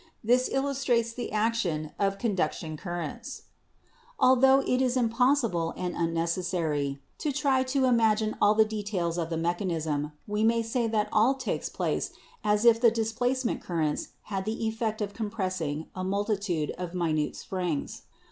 This illustrates the action of conduction currents. "Altho it is impossible and unnecessary to try to im 148 ELECTRICITY agine all the details of the mechanism, we may say that all takes place as if the displacement currents had the effect of compressing a multitude of minute springs.